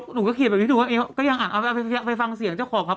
หนูก็เขียนแบบนี้หนูว่าก็ยังอ่านเอาไปฟังเสียงเจ้าของครับ